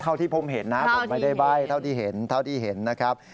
เท่าที่ผมเห็นนะผมไม่ได้ใบ้เท่าที่เห็นนะครับ